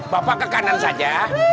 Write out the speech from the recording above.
bapak ke kanan saja